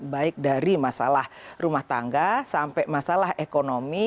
baik dari masalah rumah tangga sampai masalah ekonomi